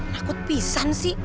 nakut pisan sih